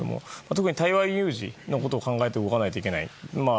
特に台湾有事のことを考えて動かないといけない。